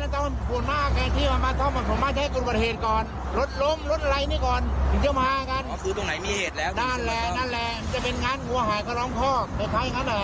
เป็นงานว่าหายล้อมคอกเผื่อใครมันน่ะ